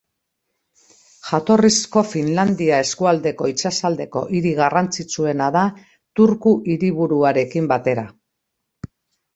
Jatorrizko Finlandia eskualdeko itsasaldeko hiri garrantzitsuena da Turku hiriburuarekin batera.